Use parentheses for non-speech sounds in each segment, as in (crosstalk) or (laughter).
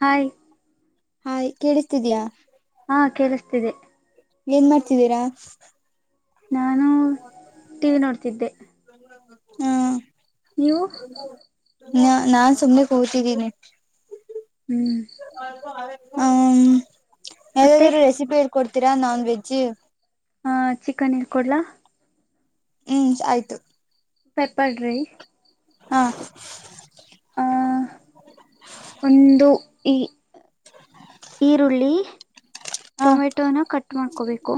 Hi ಹಾ್ ಕೇಳಿಸ್ತಿದಯಾ ಹಾ ಕೇಳಿಸ್ತಿದೆ ಏನ್ ಮಾಡ್ತಿದ್ದೀರಾ ನಾನು ಟಿವಿ ನೋಡ್ತಿದ್ದೆ ಹ್ಮ ನೀವು ನ ನಾನ್ ಸುಮ್ನೆ ಕೂತಿದ್ದೀನಿ ಹ್ಮ್ (unintelligible) ಮತ್ತೆ ಯಾವದಾದ್ರು ರೆಸಿಪಿ ಹೇಳ್ಕೊಡ್ತೀರಾ ನಾನ್ ವೆಜ್ ಹ ಚಿಕನ್ ಹೇಳ್ರ್ಕೊಡ್ಲಾ ಹ್ಮ್ ಆಯ್ತು ಪೆಪರ್ ್ರೈ ಹಾ ಒಂದು ಈ ಈರುಳ್ಳಿ ಹ ಟೊಮೆಟೊನ ಕಟ್ ಮಾಡ್ಕೋಬೇಕು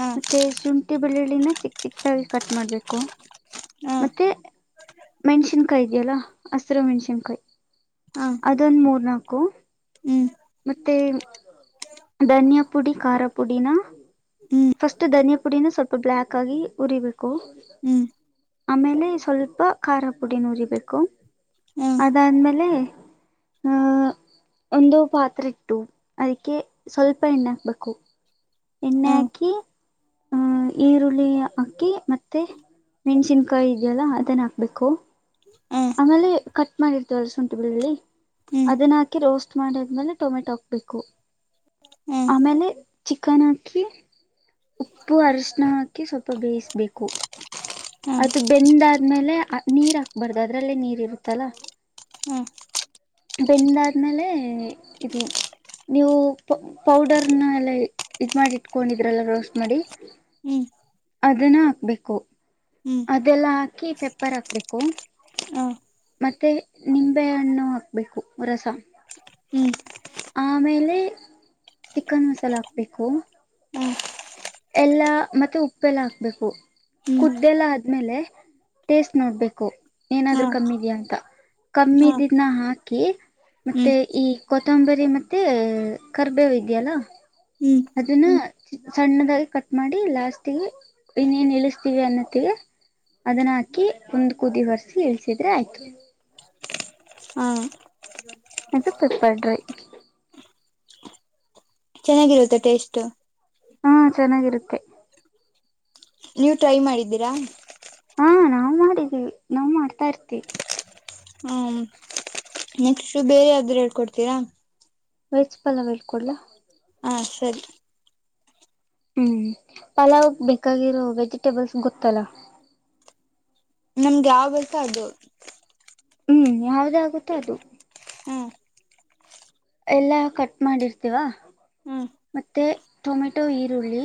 ಹ ಮತ್ತೆ ಶುಂಠಿ ಬೆಳ್ಳುಳ್ಳಿ ಚಿಕ್ ಚಿಕ್ಾಗಿ ಕಟ್ ಮಾಡಬೇಕು ಹ ಮತ್ತೆ ಮೆಣ್ಸಿನ್ಕಾಯಿ ಇದೆಯಲ್ಲಾ ಹಸ್ಿರು ಮೆಣ್ಸಿನ್ಕಾಯಿ ಹ ಅದೊಂದು ಮೂರ್ ನಾಲ್ಕು ಹ್ಮ್ ಮತ್ತೆ ಧನ್ಯಾ ಪುಡಿ ಖಾರ ಪುಡಿನ ಹ್ಮ್ ಫಸ್ಟ್ ಧನಿಯಾ ಪುಡಿನ ಸ್ವಲ್ಪ ಬ್ಲಾಕ್ ಆಗಿ ಉರಿಬೇಕು ಹ್ಮ್ ಆಮೇಲೆ ಸ್ವಲ್ಪ ಖಾರ ಪುಡಿ ನ ಉರಿಬೇಕು ಹ ಅದಾದ್ಮೇಲೆ ಆ (unintelligible) ಒಂದು ಪಾತ್ರೆ ಇಟ್ಟು ಅದಕ್ಕೆ ಸ್ವಲ್ಪ ಎಣ್ಣೆ ಹಾಕ್ಬೇಕು ಎಣ್ಣೆ ಹ ಆಕಿ (unintelligible) ಈರುಳ್ಳಿ ಹಾಕಿ ಮತ್ತೆ ಮೆಣಸಿನ್ಕಾಯಿ ಇದೆಯಲ್ಲ ಅದನ್ನ ಹಾಕ್ಬೇಕು ಹ ಆಮೇಲೆ ಕಟ್ ಮಾಡಿರ್ತವಲ್ಲ ಶುಂಠಿ ಬೆಳ್ಳಳ್ಳಿ ಹ್ಮ್ ಅದನ್ನ ಹಾಕಿ ರೋಸ್ಟ್ ಮಾಡಿದ್ಮೇಲೆ ಟೊಮೆಟೊ ಹಾಕ್ಬೇಕು ಹ ಆಮೇಲೆ ಚಿಕನ್ ಹಾಕಿ ಉಪ್ಪು ಅರಿಶಿಣ ಹಾಕಿ ಸ್ವಲ್ಪ ಬೇಯಿಸತ ಬೇಕು ಹ ಅದು ಬೆಂದಾದ್ಮೇಲೆ ನೀರ್ ಹಾಕ್ಬರ್ ಅದ್ರಲ್ಲೇ ನೀರ್ ಇರುತ್ತಲ್ಲ ಹ್ಮ್ ಬೆಂದಾದ್ಮೇಲೆ ಇದು ನೀವು ಪೌಡರ್ನ ಎಲ್ಲ ಇದ ಮಾಡಿ ಇಟ್ಕೊಂಡಿದ್ರಲ್ಲ ರೋಸ್ಟ್ ಮಾಡಿ ಹ್ಮ್ ಅದನ್ನ ಹಾಕ್ಬೇಕು ಹ್ಮ್ ಅದೆಲ್ಲ ಹಾಕಿ ಪೆಪ್ಪರ್ ಹಾಕ್ಬೇಕು ಹ ಮತ್ತೆ ನಿಂಬೆ ಹಣ್ಣು ಹಾಕ್ಬೇಕು ರಸ ಹ್ಮ್ ಆಮೇಲೆ ಚಿಕನ್ ಮಸಾಲ ಹಾಕ್ಬೇಕು ಹ ಎಲ್ಲ ಮತ್ತೆ ಉಪ್ಪೆಲ್ಲ ಹಾಕ್ಬೇಕು ಹ್ಮ್ ಕುದ್ದೆಲ್ಲ ಆದ್ಮೇಲೆ ಟೇಸ್ಟ್ ನೋಡ್ಬೇಕು ಹ ಏನಾದ್ರು ಕಮ್ಮಿದ್ಯಾ ಅಂತ ಹ ಕಮ್ಮಿದಿದನ ಹಾಕಿ ಹ್ಮ್ ಮತ್ತೆ ಈ ಕೊತ್ತಂಬರಿ ಮತ್ತೆ ಕರ್ಬೇವ ಇದೆಯಲ್ಲ ಹ್ಮ್ ಅದುನ ಸಣ್ಣದಾಗಿ ಕಟ್ ಮಾಡಿ ಲಾಸ್ಟ್ಗೆ ಇನ್ನೇನ್ ಇಳಿಸತೀವಿ ಅನ್ನೋತ್ತಿಗೆ ಅದನ್ನ ಹಾಕಿ ಒಂದ್ ಕುದಿ ವರ್ಸಿ ಇಳ್ಸಿದ್ರೆ ಆಯ್ತು ಹ ಇದು ಪೆಪರ್ ಡ್ರೈ ಚೆನ್ನಾಗಿರುತ್ತ ಟೇಸ್ಟ್ ಹಾ ಚೆನ್ನಾಗಿರುತ್ತೆ ನೀವು ಟ್ರೈ ಮಾಡಿದ್ದೀರಾ ಹಾ ನಾವ್ ಮಾಡಿದೀವಿ ನಾವ್ ಮಾಡ್ತಾ ಇರ್ತಿವಿ ಹ್ಮ ನೆಕ್ಸ್ಟ್ ಬೇರೆ ಯಾವುದಾದರೂ ಹೇಳ್ಕೊಡ್ತೀರಾ ವೆಜ್ ಪಲಾವ್ ಹೇಳಿ ಕೊಡ್ಲಾ ಹ ಸರಿ ಹ್ಮ್ ಪಲಾವ್ ಬೇಕಾಗಿರೋ ವೆಜಿಟೇಬಲ್ಸ್ ಗೊತ್ತಲ್ಲ ನಮ್ಗೆ ಯಾವ್ ಬೇಕು ಅದು ಹ್ಮ್ ಯಾವದೇ ಆಗುತ್ತೆ ಅದು ಹಾಂ ಎಲ್ಲ ಕಟ್ ಮಾಡಿರ್ತೀವಾ ಹ್ಮ್ ಮತ್ತೆ ಟೊಮೆಟೊ ಈರುಳ್ಳಿ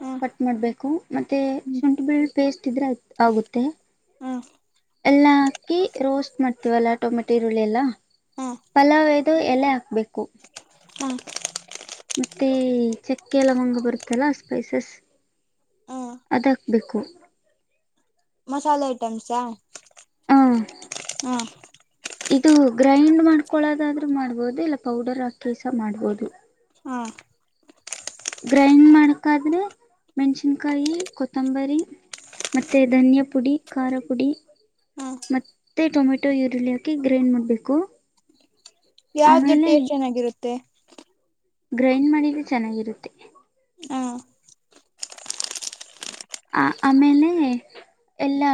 ಹ್ಮ್ ಕಟ್ ಮಾಡ್ಬೇಕು ಮತ್ತೆ ಹ್ಮ್ ಶುಂಠಿ ಬೆಳ್ಳಿ ಪೇಸ್ಟ್ ಇದ್ರೆ ಆಗುತ್ತೆ ಹ್ಮ್ ಎಲ್ಲಾ ಹಾಕಿ ರೋಸ್ಟ್ ಮಾಡ್ತೀವಲ್ಲಾ ಟೊಮೆಟೊ ಈರುಳ್ಳಿ ಎಲ್ಲಾ ಹ್ಮ ಮತ್ತು ಎಲೆ ಹಾಕ್ಬೇಕು ಹ್ಮ ಮತ್ತೆ ಚಕ್ಕೆ ಲವಂಗ ಬರುತ್ತಲ್ಲ ಸ್ಪೈಸಸ್ ಹ್ಮ್ ಅದಕ್ ಬೇಕು ಮಸಾಲೆ ಐಟಮ್ಸಾ ಹ ಹಾ ಇದು ಗ್ರೈಂಡ್ ಮಾಡ್ಕೊಳೋದಾದ್ರು ಮಾಡ್ಬೋದು ಇಲ್ಲ ಪೌಡರ್ ಹಾಕಿಸ ಮಾಡ್ಬೋದು ಹಾ ಗ್ರೈಂಡ್ ಮಾಡಕಾದರೆ. ಮೆಣಸಿನಕಾಯಿ ಕೊತ್ತಂಬರಿ ಮತ್ತೆ ಧನ್ಯ ಪುಡಿ ಖಾರ ಪುಡಿ, ಹ್ಮ್ ಮತ್ತೆ ಟೊಮೆಟೊ ಈರುಳ್ಳಿ ಹಾಕಿ ಗ್ರೈಂಡ್ ಮಾಡಬೇಕು. ಯಾವದ ಟೆಸ್ಟ್ ಚೆನ್ನಾಗಿರುತ್ತೆ. ಗ್ರೈಂಡ್ ಮಾಡಿದರೆ ಚೆನ್ನಾಗಿರುತ್ತೆ. ಹ ಆ ಆಮೇಲೆ ಎಲ್ಲಾ?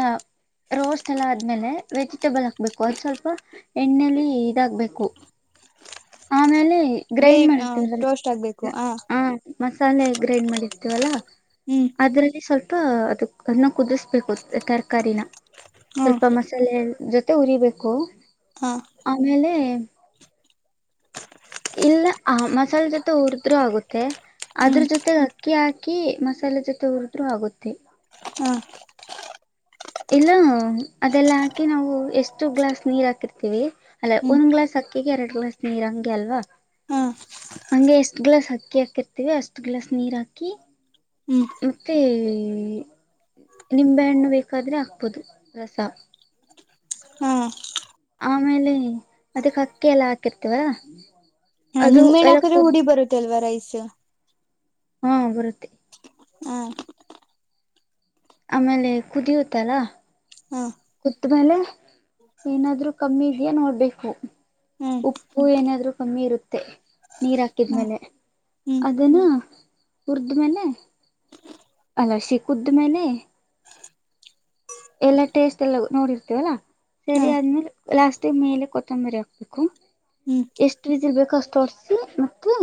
ರೋಸ್ಟ್ ಎಲ್ಲಾ ಆದ್ಮೇಲೆ ವೆಜಿಟೇಬಲ್ ಹಾಕ್ಬೇಕು ಅದು ಸ್ವಲ್ಪ ಎಣ್ಣೆಲಿ ಇದ ಆಗಬೇಕು. ಆಮೇಲೆ ಬೇ ಗ್ರೈಂಡ್ ಮಾಡ್ತವಿ ಅದನ ರೋಸ್ಟ್ ಆಗ್ಬೇಕು ಹ ಹಾ ಮ ಮಸಾಲೆ ಗ್ರೈಂಡ್ ಮಾಡಿರ್ತೀವಲ್ಲಾ ಹ್ಮ್ ಅದರಲ್ಲಿ ಸ್ವಲ್ಪ ಹ ಅದಕ್ಕ ಚೆನ್ನಾಗಿ ಕುದಿಸ್ಬೇಕು ತರಕಾರಿನ ಹ್ಮ್ ಸ್ವಲ್ಪ ಮಸಾಲೆ ಜೊತೆ ಉರಿಬೇಕು ಹಾ ಆಮೇಲೆ ಇಲ್ಲ ಆ ಮಸಾಲೆ ಜೊತೆ ಉರಿದರು ಆಗುತ್ತೆ. ಅದರ ಹ್ಮ್ ಜೊತೆ ಅಕ್ಕಿ ಹಾಕಿ ಮಸಾಲೆ ಜೊತೆ ಹುರಿದ್ರು ಆಗುತ್ತೆ. ಹಾ ಇಲ್ಲ ಅದೆಲ್ಲಾ ಹಾಕಿ ನಾವು ಎಷ್ಟು ಗ್ಲಾಸ್ ನೀರ್ ಹಾಕಿರ್ತೀವಿ ಅಲ್ಲ ಹ್ಮ್ ಒಂದ್ ಗ್ಲಾಸ್ ಅಕ್ ಅಕ್ಕಿಗೆ ಎರಡ ಗ್ಲಾಸ್ ನೀರ ಹಾಕ್ತೀ ಅಲ್ವಾ? ಹ ಹಂಗೆ ಎಷ್ಟ್ ಗ್ಲಾಸ್ ಅಕ್ಕಿ ಹಾಕಿರ್ತೀವಿ ಅಷ್ಟ ಗ್ಲಾಸ್ ನೀರ್ ಹಾಕಿ. ಹ್ಮ್ ಮತ್ತೆ ನಿಂಬೆ ಹಣ್ಣು ಬೇಕ ಕದ್ರ ಹಾಕಬೋಹೊದು ರಸಾ ಹಾ ಆಮೇಲೆ ಅದಕ್ಕ ಅಕ್ಕಿ ಎಲ್ಲ ಹಾಕಿರ್ತವ್ಯಾ ಹಾ ನಿಂಬೆಹಣ್ಣ ಹಾಕದ್ರೆ ಹುಳಿ ಬರುತ್ತೆ ಅಲ್ವಾ ರೈಸ್ ಹಾ ಬರುತ್ತೆ. ಹಾ ಆಮೇಲೆ ಕುದಿಯುತ್ತಲ್ಲ? ಹಾ ಕುದ್ದ ಮೇಲೆ ಏನಾದ್ರು ಕಮ್ಮಿ ಇದೀಯಾ ನೋಡ್ಬೇಕು. ಹ್ಮ್ ಉಪ್ಪು ಏನಾದ್ರು ಕಮ್ಮಿ ಇರುತ್ತೆ ನೀರ್ ಹ್ಮ್ ಹಾಕಿದ್ಮೇಲೆ. ಹ್ಮ್ ಅದನ ಹುರ್ದ ಮೇಲೆ, ಅಲ್ಲ ಸಿಕ್ಕುದ ಮೇಲೆ, ಎಲ್ಲ ಟೇಸ್ಟ್ ಎಲ್ಲ ನೋಡಿರ್ತೇವಲ್ಲಾ? ಹಾ ಸರಿ ಆದ್ಮೇಲೆ ಲಾಸ್ಟ್ ಗೇ ಮೇಲೆ ಕೊತ್ತಂಬರಿ ಹಾಕ್ಬೇಕು. ಹ್ಮ್ ಎಷ್ಟ ವಿಸಿಲ್ ಬೇಕ ಅಷ್ಟ ಹೊಡ್ಸಿ ಮತ್ತೆ?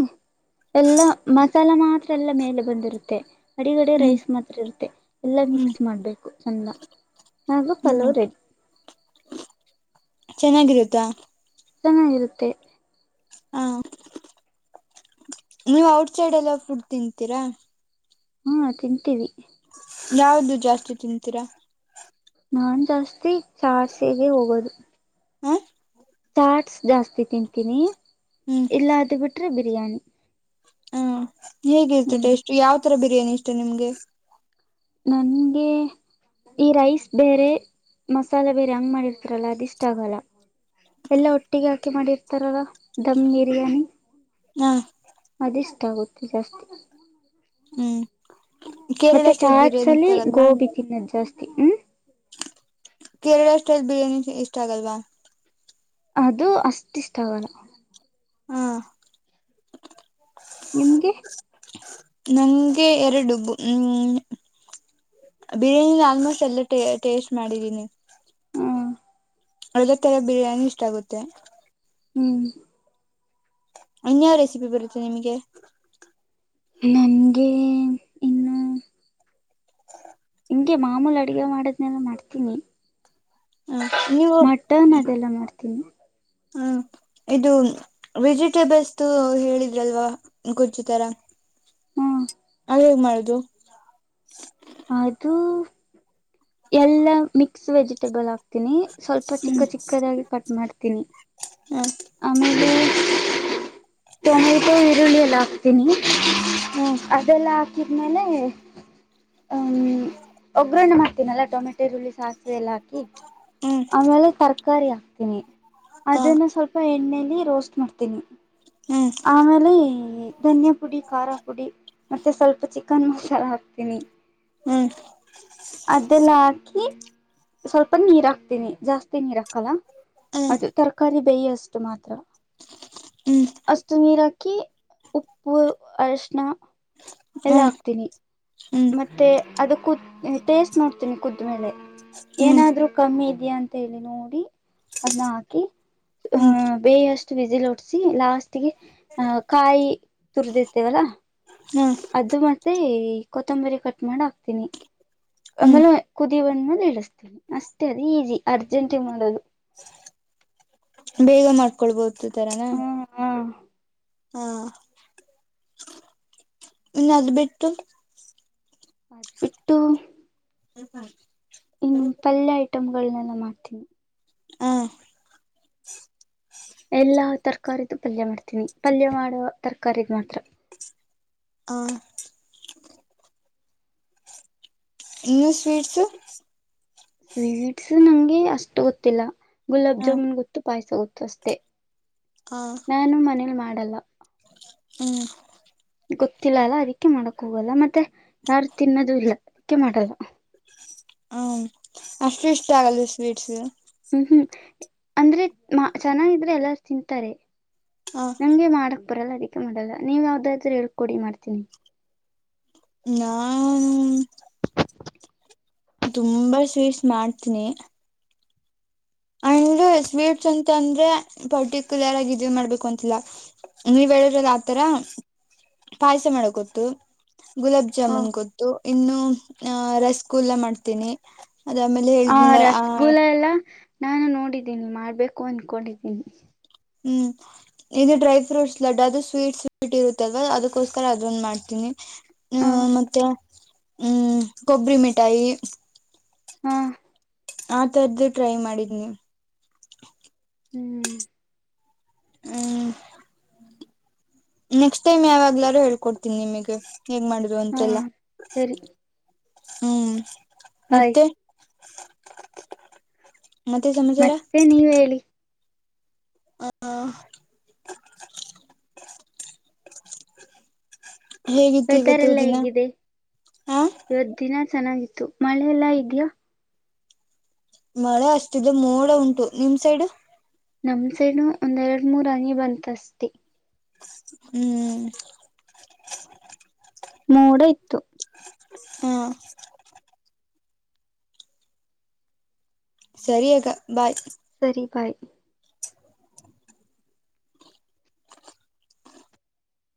ಎಲ್ಲಾ ಮಸಾಲ ಮಾತ್ರ ಎಲ್ಲಾ ಮೇಲೆ ಬಂದಿರುತ್ತೆ ಅಡಿಗಡೆ ಹ್ಮ್ ರೈಸ್ ಮಾತ್ರ ಇರುತ್ತೆ ಎಲ್ಲ ಹ್ಮ್ ಮಿಕ್ಸ್ ಮಾಡಬೇಕು ಚಂದ ಹಾಗೂ ಪಲಾವ್ ಹ್ಮ್ ರೆಡ ಚೆನ್ನಾಗಿರುತ್ತಾ? ಚೆನ್ನಾಗಿರುತ್ತೆ. ಹಾ ನೀವ್ ಔಟ್ ಸೈಡ್ ಎಲ್ಲಾ ಫಡ್ ತಿಂತೀರಾ? ಹು ತಿಂತೀವಿ. ಯಾವದು ಜಾಸ್ತಿ ತಿಂತೀರಾ? ನಾನ್ ಜಾಸ್ತಿ ಚಾರ್ಸೆಗೆ ಹೋಗೋದು. ಹ ಚಾಟ್ಸ್ ಜಾಸ್ತಿ ತಿಂತೀನಿ. ಹ್ಮ್ ಇಲ್ಲಾ ಅದ ಬಿಟ್ರೆ ಬಿರಿಯಾನಿ. ಹೇಗಿರ್ತ ಹ್ಮ್ ಟೇಸ್ಟ್ ಯಾವ್ ತರ ಬಿರಿಯಾನಿ ಇಷ್ಟೇ ನಿಮ್ಗೆ. ನಂಗೆ? ಈ ರೈಸ್ ಬೇರೆ ಮಸಾಲೆ ಬೇರೆ ಹಂಗ್ ಮಾಡಿರ್ತಾರಲ್ಲ ಅದಿಷ್ಟ ಆಗಲ್ಲ? ಎಲ್ಲಾ ಒಟ್ಟಿಗೆ ಹಾಕಿ ಮಾಡಿರ್ತಾರಲ್ಲ ದಮ್ ಬಿರಿಯಾನಿ. ಹಾ ಅದ ಇಷ್ಟ ಆಗುತ್ತೆ ಜಾಸ್ತಿ. ಹ್ಮ್ ಕೇರಳ ಮತ್ತೆ ಸ್ಟೈಲ್ ಚಾಟ್ಸ್ ಬಿರಿಯಾನಿ ಇಷ್ಟ ಅಲ್ಲಿ ಆಗಲ್ವಾ ಗೋಬಿ ತಿನ್ನೋದ ಜಾಸ್ತಿ ಹು ಕೇರಳ ಸ್ಟೈಲ್ ಬಿರಿಯಾನಿ ಇಷ್ಟ ಆಗಲ್ವಾ? ಅದು ಅಷ್ಟ ಇಷ್ಟ ಆಗಲ್ಲ? ಹ್ಮ ನಿಮ್ಗೆ ನಂಗೆ ಎರಡು ಹ್ಮ ಬಿರಿಯಾನಿನ ಆಲ್ಮೋಸ್ಟ್ ಎಲ್ಲ ಟೇಸ್ಟ್ ಮಾಡಿದೀನಿ ಹ ಅಳದ ತರ ಬಿರಿಯಾನಿ ಇಷ್ಟ ಆಗುತ್ತೆ ಹ್ಮ್ ಇನ್ಯಾವ್ ರೆಸಿಪಿ ಬರುತ್ತೆ ನಿಮ್ಗೆ ನಮಗೆ ಇನ್ನು ಹಿಂಗೆ ಮಾಮೂಲಿ ಅಡ್ಗೆ ಮಾಡದ್ನೆಲ್ಲ ಮಾಡ್ತೀನಿ ಹ ನೀವು ಮಟನ್ ಅದೆಲ್ಲ ಮಾಡ್ತೀನಿ ಹಾ ಇದು ವೆಜಿಟೇಬಲ್ಸ್ ಹೇಳಿದ್ರಲ್ವಾ ಗುಜಜು ತರ ಹ್ಮ ಅ ಹೇಗ್ ಮಾಡುದು ಅದು ಎಲ್ಲಾ ಮಿಕ್ಸ್ ವೆಜಿಟೆಬಲ್ ಆಾಕ್ತೀನಿ ಸ್ವಲ್ಪ ಹ್ಮ್ ಚಿಕ್ಕ ಚಿಕ್ಕದಾಗಿ ಪಟ್ ಮಾಡ್ತೀನಿ ಆಮೇಲೆ ಟೊಮೆಟೊ ಈರುಳ್ಳಿ ಎಲ್ಲ ಹಾಕ್ತೀನಿ ಹ್ಮ್ ಅದೆಲ್ಲ ಹಾಕಿದ್ಮೇಲೆ ಹ್ಮ್ ಒಗ್ಗ್ರರಣೆ ಮಾಡ್ತೀನಲ್ಲಾ ಟೊಮೆಟೆ ರುಳ್ಳಿ ಸಾಸಿವೆ ಎಲ್ಲಾಗ್ತ ಹ್ಮ್ ಆಮೇಲೆ ತರಕಾರಿ ಹಾಕ್ತೀನಿ ಹ್ಮ್ ಅದನ್ನ ಸ್ವಲ್ಪ ಎಣ್ಣೆಯಲ್ಲಿ ರೋಸ್ಟ್ ಮಾಡ್ತೀನಿ ಹ್ಮ್ ಹ್ಮ್ ಆಮೇಲೆ ಧನ್ಯಾ ಪುಡಿ ಖಾರ ಪುಡಿ ಮತ್ತೆ ಸ್ವಲ್ಪ ಚಿಕನ್ ಮಸಾಲ ಹಾಕ್ತೀನಿ ಹ್ಮ್ ಅದಲ್ಲಾಕಿ ಸ್ವಲ್ಪ ನೀರ್ ಹಾಕ್ತೀನಿ ಜಾಸ್ತಿ ನೀರ್ ಹಾಕಲ್ಲ ಹ್ಮ್ ಅದು ತರಕಾರಿ ಪೇ ಅಷ್ಟು ಮಾತ್ರ ಹ್ಮ್ ಹಸತ ನೀರ ಹಾಕಿ ಉಪ್ಪು ಅರಶಣ ಹ್ಮ್ ಎಲ್ಲ ಹ್ಮ್ ಹಾಕ್ತೀನಿ ಹ್ಮ್ ಮತ್ತೆ ಅದ ಕುದ ಟೇಸ್ಟ್ ನೋಡ್ತೀನಿ ಕುದ್ಮೇಲೆ ಹ್ಮ್ ಏನಾದ್ರರು ಕಮ್ಮಿ ಇದ್ಯಾಾ ಅಂತ ಹೇಳಿ ನೋಡಿ ಅದನ್ನ ಹಾಕಿ ಹ್ಮ್ ಹ ಬೇಷ್ಟ ಬಿಸಿಲ್ ಹೊಡ್ಸಿ ಲಾಸ್ಟ್ಗೆ ಅಹ್ ಕಾಯಿ ತುರ್ದಿರ್ತೇವಲ್ಲಾ ಹ್ಮ್ ಅದು ಮತ್ತೆ ಕೊತ್ತಂಬರಿ ಕಟ್ ಮಾಡ ಹಾಕ್ತೀನಿ ಆಮೇಲೆ ಹ್ಮ್ ನ್ನ ಇಳಿಸ್ತೇಿ ಅಷ್ಟೇ ಅದ ಈಸಿ ಅರ್ಜೆಂಟಿ ಮಾಡೋದು ಬೇಗ ಮಾಡ್ಕೊಳ್ಬೋದು ತರಾನ ಹ್ಮ್ ಹ್ಮ್ ಹಾ ಇನ್ ಅದು್ ಬಿಟ್ಟು ಅದ ಬಿಟ್ಟು ಹ ಸ ಇನ್ನು ಪಲ್ಯ ಐಟಮ್ಗಳನೆಲ್ಲ ಮಾಡ್ತೀನಿ ಹ್ಮ ಎಲ್ಲಾ ತರಕಾರಿದು ಪಲ್ಯ ಮಾಡ್ತೀನಿ ಪಲ್ಯ ಮಾಡುವ ತರ್ಕಾರಿದ ಮಾತ್ರ ಆ ಇನ್ನುೂ ಸ್ವೀಟ್ಸು ಸ್ವೀಟ್ಸ್ ನಂಗೆ ಅಷ್ಟು ಗೊತ್ತಿಲ್ಲ ಗುಲಾಬ್ ಹ ಜಾಮೂನ್ ಗೊತ್ತು ಪಾಯಸ ಗುತ್ತಷ್ಟೆ ಹ ನಾನು ಮನೇಲಿ ಮಾಡಲ್ಲ ಹ್ಮ್ ಗೊತ್ತಿಲ್ಲ ಅಲ್ಲ ಅದಕ್ಕೆ ಮಾಡಕ್ ಹೋಗಲ್ಲ ಮತ್ತೆ ಯಾರು ತಿನ್ನದು ಇಲ್ಲ ಅದಕ್ಕೆ ಮಾಡಲ್ಲ ಹ್ಮ ಅಷ್ಟು ಇಷ್ಟ ಆಗಲ್ ಸ್ವೀಟ್ಸ್ ಹ್ಮ್ ಹ್ಮ್ ಅಂದ್ರೆ ಮಾ ಚೆನ್ನಾಗಿದ್ರೆ ಎಲ್ಲ ತಿಂತಾರೆ ಹ ನಂಗೆ ಮಾಡಕ್ ರ ಎಲ್ಲ ಅದಕ್ಕೆ ಮಾಡಲ್ಲ ನೀವ್ ಯಾವ್ದ್ರರು ಹೇಳ್ಕೊಡಿ ಮಾಡ್ತೀನಿ ನಾ ತುಂಬಾ ಸ್ವೀಟ್ಸ್ ಮಾಡ್ತೀನಿ ಅಂಡ್ ಸ್ವೀಟ್ಸ್ ಅಂತ ಅಂದ್ರೆ ಪರ್ಟಿಕ್ಯುಲರ್ ಆಗಿ ಇದ ಮಾಡ್ಬೇಕು ಅಂತಿಲ್ಲ ನೀವ ಹೇಳಿದ್ರಲ್ಲ ಆತರ ಪಾಯ. ೊ ಗುಲಾಬ್ ಹ ಜಾಮೂನ್ ಗ ಇನ್ನು ರ. ಕೂಲ್ಲ ಮಾಡ್ತೀನಿ. ಅದಾದ್ಮೇಲೆ ಹಾ ಹೇಳಿದ್ನಲ್ಲ ಆ ರಸಗುಲ ಎಲ್ಲ ನಾನು ನೋಡಿದ್ದೀನಿ ಮಾಡ್ಬೇಕು ಅನ್ಕೊಂಡಿದ್ದೀನಿ, ಹ್ಮ್. ಇದು ಡ್ರೈ ಫ್ರೂಟ್ಸ್ ಲಡ್ ಅದು ಸ್ವೀಟ್ ಸ್ವೀಟ್ ಇರುತ್ತಲ್ವಾ ಅದಕ್ಕೋಸ್ಕರ ಅದ್ ಮಾಡ್ತೀನಿ. ಹ ಮತ್ತ್ಮ ಕೊಬ್ಬರಿ ಮಿಾಯಿ. ಹಾ. ಆಥರದ್ದು ಟ್ರೈ ಮಾಡಿದ್ ನೀವು, ಹ್ಮ್. ಹ್ಮ್ ನೆಕ್ಸ್ಟ್ ಟೈಮ್ ಯಾವಾಗ್ಲಾರು ಹೇಳ್ಕೊಡ್ತೀನಿ ನಿಮಗೆ. ಹೇಗ್ ಮಾಡಿದ್ರು ಹಾ ಅಂತೆಲ್ಲ ಸರಿ ಹ್ಮ್. ಬಾಯ್ ಮತ್ತೆ. ಮತ್ತೆ ಸಮಾಚಾರ ಮತ್ತೆ ನೀವ ಹೇಳಿ. ಹ. ಹೇಗಿತ್ತು ವೆದರ್ ಇವತ್ತು ಎಲ್ಲ ದಿನ ಹೇಗಿದೆ ಹಾ. ಇವತ್ ದಿನ ಚೆನ್ನಾಗಿತ್ತು ಮಳೆಲ್ಲಾ ಇದ್ಯಾಾ. ಮಳೆ ಅಷ್ಟಿದೆ ಮೋಡ ಉಂಟು ನಿಮ್ ಸೈಡ್. ನಮಸೇನು ಒಂದೆರಡು ಮೂರ್ ಅಂಗಿ ಬಂತಸ್ತಿ. ಹ್ಮ್. ಮೂೋಡ ಇತ್ತು. ಹಾ ಸರಿಯಗ ಬಾಯ್. ಸರಿ ಬಾಯ್.